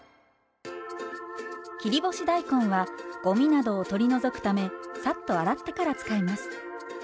切り干し大根はごみなどを取り除くためサッと洗ってから使います。